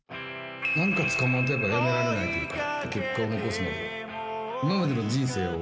何か、つかまんとやっぱ辞められないというか。